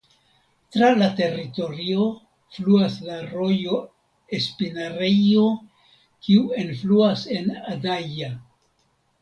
Tra la teritorio fluas la rojo Espinarejo kiu enfluas en Adaja.